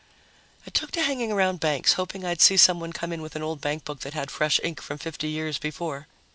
I took to hanging around banks, hoping I'd see someone come in with an old bankbook that had fresh ink from 50 years before.